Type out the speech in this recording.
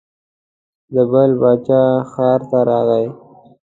د بل باچا ښار ته راغی.